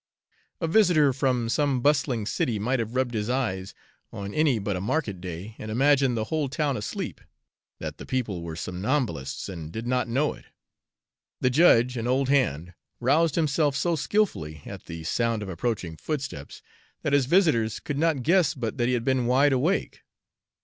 A visitor from some bustling city might have rubbed his eyes, on any but a market day, and imagined the whole town asleep that the people were somnambulists and did not know it. The judge, an old hand, roused himself so skillfully, at the sound of approaching footsteps, that his visitors could not guess but that he had been wide awake.